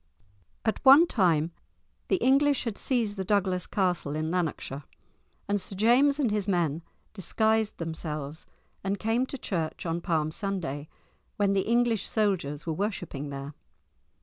At one time the English had seized the Douglas castle in Lanarkshire, and Sir James and his men disguised themselves and came to church on Palm Sunday, when the English soldiers were worshipping there.